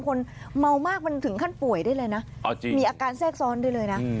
คนเมามากมันถึงขั้นป่วยได้เลยนะมีอาการแทรกซ้อนได้เลยนะ